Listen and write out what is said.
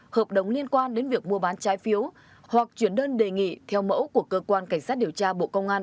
hợp đồng liên quan đến việc mua bán trái phiếu hoặc chuyển đơn đề nghị theo mẫu của cơ quan cảnh sát điều tra bộ công an